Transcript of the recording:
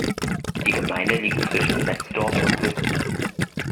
Die Gemeinde liegt zwischen Betzdorf und Wissen.